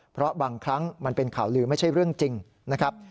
เพราะบางครั้งมันเป็นข่าวลือไม่ใช่เรื่องจริงนะครับ